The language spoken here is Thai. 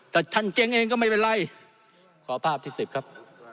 แต่ท่านเจ๊งเองก็ไม่เป็นไรขอภาพที่สิบครับ